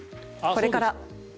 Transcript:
これから。